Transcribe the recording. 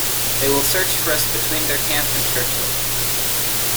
They will search for us between their camp and Churchill.